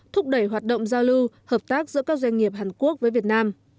thúc đẩy hoạt động giao lưu hợp tác giữa các doanh nghiệp hàn quốc với việt nam